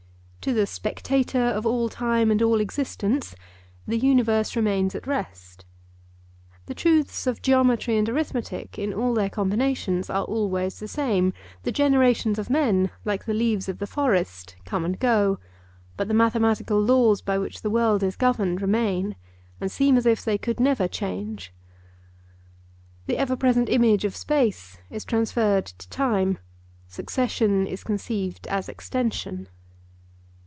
To the 'spectator of all time and all existence' the universe remains at rest. The truths of geometry and arithmetic in all their combinations are always the same. The generations of men, like the leaves of the forest, come and go, but the mathematical laws by which the world is governed remain, and seem as if they could never change. The ever present image of space is transferred to time—succession is conceived as extension.